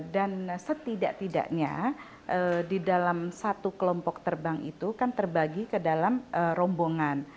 dan setidak tidaknya di dalam satu kelompok terbang itu kan terbagi ke dalam rombongan